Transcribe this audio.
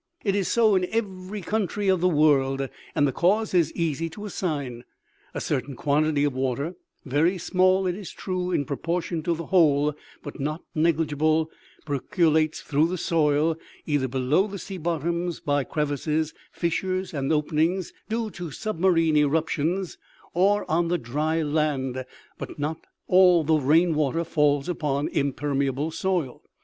"It is so in every country of the world, and the cause is easy to assign. A certain quantity of water, very small, it is true, in proportion to the whole, but not negligable, per colates through the soil, either below the sea bottoms by crevices, fissures and openings due to submarine eruptions, or on the dry land ; for not all the rain water falls upon impermeable soil.